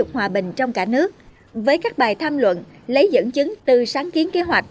hòa bình trong cả nước với các bài tham luận lấy dẫn chứng từ sáng kiến kế hoạch